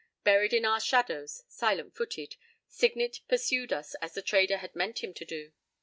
Buried in our shadows, silent footed, Signet pursued us as the trader had meant him to do.